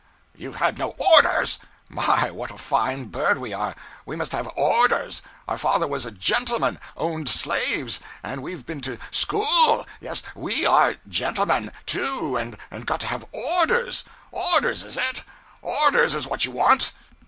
'You've had no orders! My, what a fine bird we are! We must have orders! Our father was a gentleman owned slaves and we've been to school. Yes, _we _are a gentleman, too, and got to have orders! orders, is it? _Orders _is what you want!